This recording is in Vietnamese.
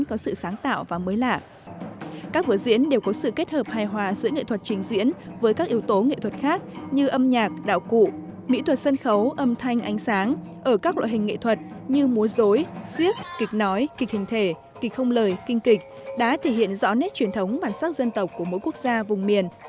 ở các loại hình nghệ thuật như múa dối siếc kịch nói kịch hình thể kịch không lời kinh kịch đã thể hiện rõ nét truyền thống bản sắc dân tộc của mỗi quốc gia vùng miền